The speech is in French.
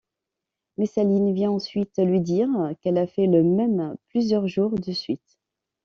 Messaline vient ensuite lui dire qu'elle a fait le même plusieurs jours de suite.